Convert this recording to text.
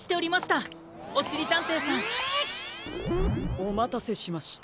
おまたせしました。